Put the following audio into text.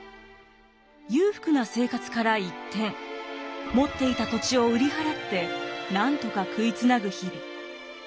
裕福な生活から一転持っていた土地を売り払ってなんとか食いつなぐ日々。